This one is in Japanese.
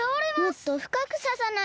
もっとふかくささないと。